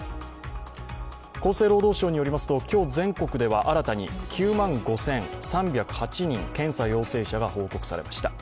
厚生労働省によりますと今日、全国では新たに９万５３０８人検査陽性者が報告されました。